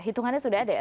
hitungannya sudah ada ya